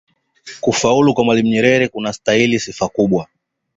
kufalu kwa mwalimu nyerere kunastahili sifa kubwa